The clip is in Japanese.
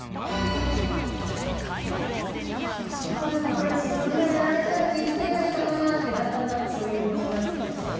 これ自分がやられたら気づけないかなってだんだん何かそういう気持ちになってきましたね。